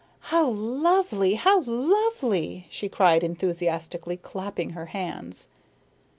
"How lovely! How lovely!" she cried enthusiastically, clapping her hands.